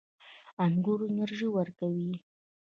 انګور انرژي ورکوي